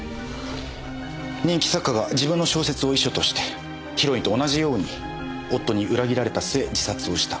人気作家が自分の小説を遺書としてヒロインと同じように夫に裏切られた末自殺をした。